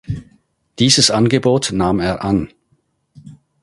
Dieses Angebot nahm er an.